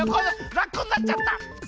ラッコになっちゃった！